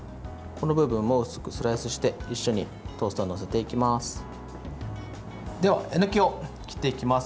この部分を薄くスライスして一緒にトーストに載せていきます。